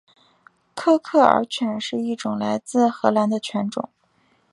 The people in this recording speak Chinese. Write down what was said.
科克尔犬是一种来自荷兰的犬种。